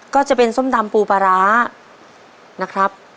ก็จะเป็นส้มตำปูปลาร้านะครับ